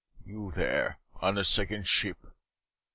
"You there, on the Second ship.